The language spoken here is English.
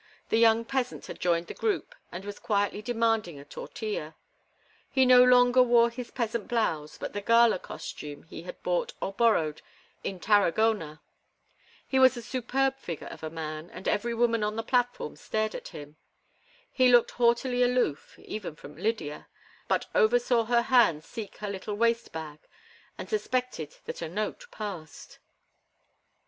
The young peasant had joined the group and was quietly demanding a tortilla. He no longer wore his peasant blouse, but the gala costume he had bought or borrowed in Tarragona. He was a superb figure of a man, and every woman on the platform stared at him. He looked haughtily aloof, even from Lydia, but Over saw her hand seek her little waist bag and suspected that a note passed.